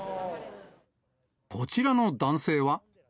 こちらの男性は。